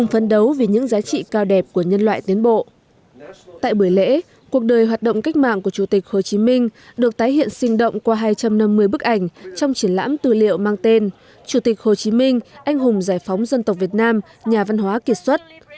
tại buổi lễ cuộc đời hoạt động cách mạng của chủ tịch hồ chí minh được tái hiện sinh động qua hai trăm năm mươi bức ảnh trong triển lãm tư liệu mang tên chủ tịch hồ chí minh anh hùng giải phóng dân tộc việt nam nhà văn hóa kiệt xuất